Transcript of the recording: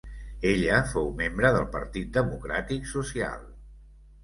Ella fou membre del Partit Democràtic Social.